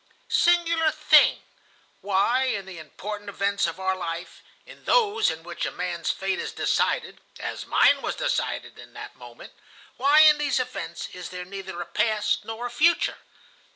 "Singular thing! Why, in the important events of our life, in those in which a man's fate is decided,—as mine was decided in that moment,—why in these events is there neither a past nor a future?